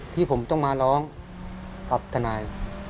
ที่ผมต้องมาร้องกับทนาย